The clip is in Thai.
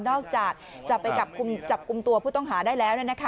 นอกจากจับกุมตัวผู้ต้องหาได้แล้ว